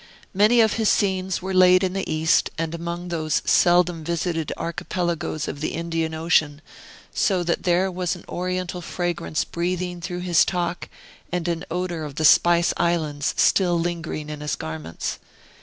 Many of his scenes were laid in the East, and among those seldom visited archipelagoes of the Indian Ocean, so that there was an Oriental fragrance breathing through his talk and an odor of the Spice Islands still lingering in his garments.